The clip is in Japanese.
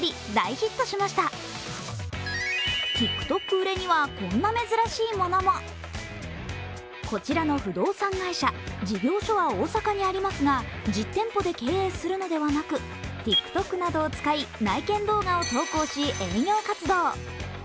売れにはこんな珍しいものもこちらの不動産会社、事業所は大阪にありますが実店舗で経営するのではなく、ＴｉｋＴｏｋなどを使い内見動画を投稿し、営業活動。